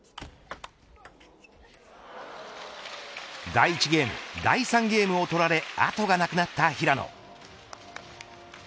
第１ゲーム、第３ゲームを取られ後がなくなった平野。